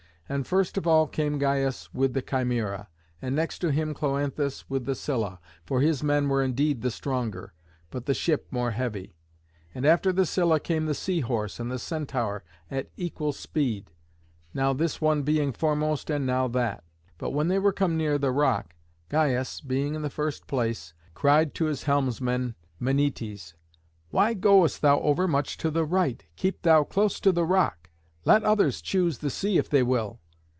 And first of all came Gyas with the Chimæra, and next to him Cloanthus with the Scylla, for his men were indeed the stronger, but the ship more heavy. And after the Scylla came the Sea Horse and the Centaur at equal speed, now this one being foremost and now that. But when they were now come near the rock, Gyas, being in the first place, cried to his helmsman Menœtes, "Why goest thou overmuch to the right? Keep thou close to the rock. Let others choose the sea if they will."